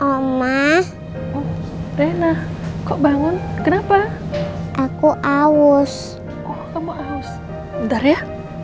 hai om ah om ah rena kok bangun kenapa aku awus kamu aus bentar ya